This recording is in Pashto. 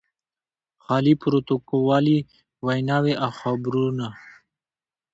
خالي پروتوکولي ویناوې او خبرونه.